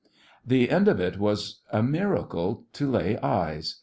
The end of it was a miracle to lay eyes.